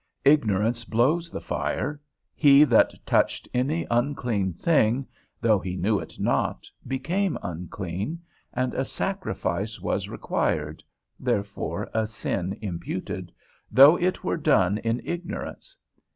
Ignorance blows the fire. He that touched any unclean thing, though he knew it not, became unclean, and a sacrifice was required (therefore a sin imputed), though it were done in ignorance.